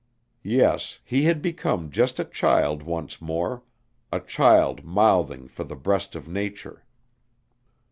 Yes, he had become just a child once more, a child mouthing for the breast of Nature.